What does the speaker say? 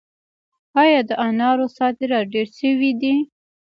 آیا د انارو صادرات ډیر شوي دي؟